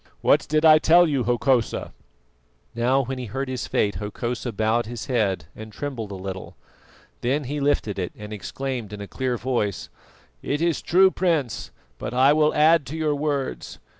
What did I tell you, Hokosa?" Now when he heard his fate, Hokosa bowed his head and trembled a little. Then he lifted it, and exclaimed in a clear voice: "It is true, Prince, but I will add to your words.